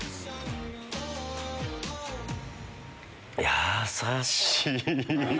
やさしい！